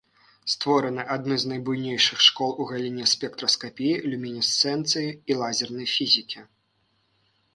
Створаны адны з найбуйнейшых школ у галіне спектраскапіі, люмінесцэнцыі і лазернай фізікі.